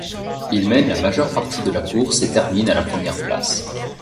Il mène la majeure partie de la course et termine à la première place.